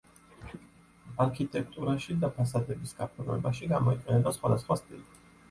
არქიტექტურაში და ფასადების გაფორმებაში გამოიყენება სხვადასხვა სტილი.